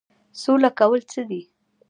سوله کول څه دي؟